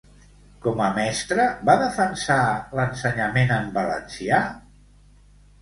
Com a mestra, va defensar l'ensenyament en valencià?